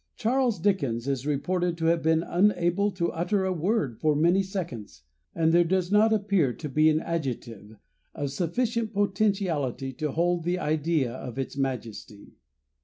Charles Dickens is reported to have been unable to utter a word for many seconds, and there does not appear to be an adjective of sufficient potentiality to hold the idea of its majesty.